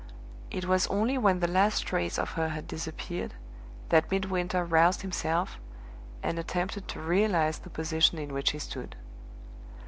It was only when the last trace of her had disappeared that Midwinter roused himself, and attempted to realize the position in which he stood.